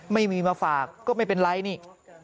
ไม่มีมาฝากก็ไม่เป็นไรนี่